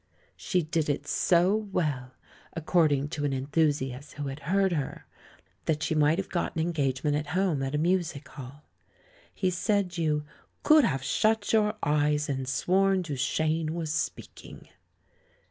She did it so well, according to an 104. THE MAN WHO UNDERSTOOD WOMEN enthusiast who had heard her, that she might have got an engagement at Home at a music halL He said you "could have shut your eyes and sworn Duchene was speaking."